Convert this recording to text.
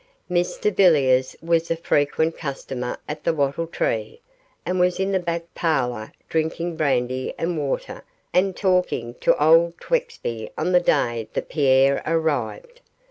Mr Villiers was a frequent customer at the Wattle Tree, and was in the back parlour drinking brandy and water and talking to old Twexby on the day that Pierre arrived.